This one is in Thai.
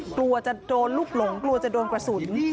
กลัวจะโดนลูกหลงกลัวจะโดนกระสุน